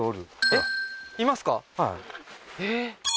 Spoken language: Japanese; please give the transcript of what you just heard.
えっ？